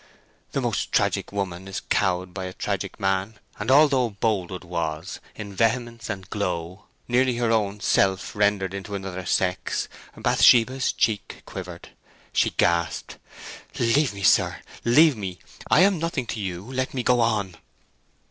The most tragic woman is cowed by a tragic man, and although Boldwood was, in vehemence and glow, nearly her own self rendered into another sex, Bathsheba's cheek quivered. She gasped, "Leave me, sir—leave me! I am nothing to you. Let me go on!"